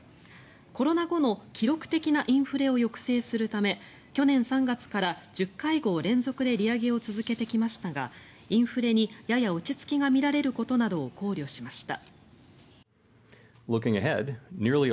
コロナ後の記録的なインフレを抑制するため去年３月から１０会合連続で利上げを続けてきましたがインフレに、やや落ち着きが見られることなどを考慮しました。